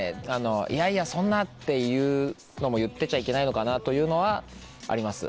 いやいやそんな！っていうのも言ってちゃいけないのかなというのはあります。